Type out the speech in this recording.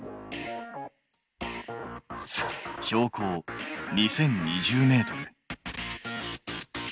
標高２０２０ｍ。